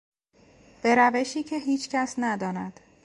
به روشی که هیچ کس نداند